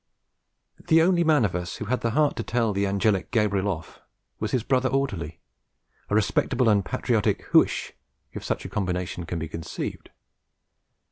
The only man of us who had the heart to tell the angelic Gabriel off was his brother orderly, a respectable and patriotic Huish, if such a combination can be conceived.